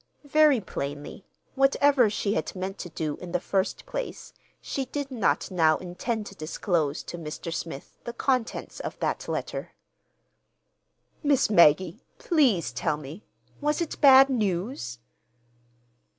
Very plainly, whatever she had meant to do in the first place, she did not now intend to disclose to Mr. Smith the contents of that letter. "Miss Maggie, please tell me—was it bad news?"